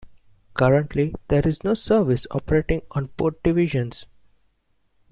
Currently, there is no service operating on both divisions.